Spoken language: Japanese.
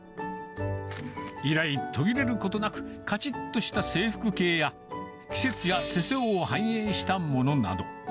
以来、途切れることなく、かちっとした制服系や、季節や世相を反映したものなど。